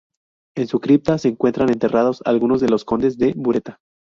En su cripta se encuentran enterrados algunos de los condes de Bureta.